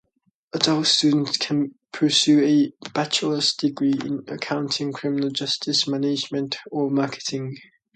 Adult students can pursue a bachelor's degree in accounting, criminal justice, management, or marketing.